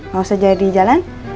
gak usah jalan jalan